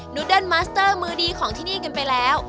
ุดเดิ้นมัสเตอร์มือดีของที่นี่กันไปแล้ว